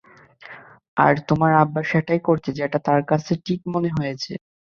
আর তোমার আব্বা সেটাই করেছে যেটা তার কাছে ঠিক মনে হয়েছে।